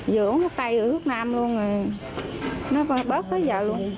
giữa uống nước tây uống nước nam luôn nó bớt tới giờ luôn